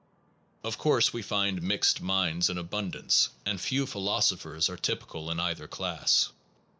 Of course we find mixed minds in abundance, and few philosophers are typical in either class.